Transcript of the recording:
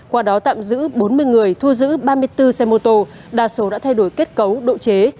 qua đó tạm giữ bốn mươi người thu giữ ba mươi bốn xe mô tô đa số đã thay đổi kết cấu độ chế